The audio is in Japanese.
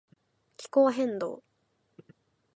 気候変動